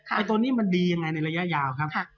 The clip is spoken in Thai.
ตัวนี้มันดียังไงในระยะยาวครับ